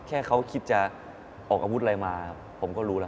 แค่เขาคิดจะออกอาวุธอะไรมาผมก็รู้แล้ว